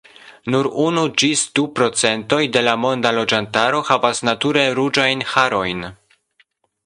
Nur unu ĝis du procentoj de la monda loĝantaro havas nature ruĝajn harojn.